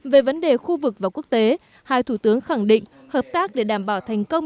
về vấn đề khu vực và quốc tế hai thủ tướng khẳng định hợp tác để đảm bảo thành công